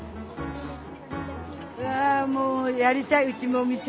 うわもうやりたいうちもお店。